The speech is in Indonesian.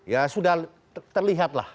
ya sudah terlihat lah